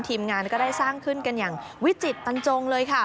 ทีมงานก็ได้สร้างขึ้นกันอย่างวิจิตบรรจงเลยค่ะ